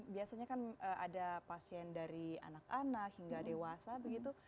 biasanya kan ada pasien dari anak anak hingga dewasa begitu